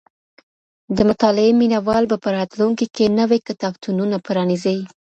د مطالعې مينه وال به په راتلونکي کي نوي کتابتونونه پرانيزي.